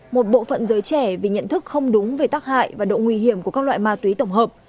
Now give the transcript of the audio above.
một bộ phận giới trẻ vì nhận thức không đúng về tác hại và độ nguy hiểm của các loại ma túy tổng hợp